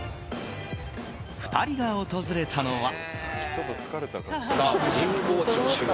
２人が訪れたのは。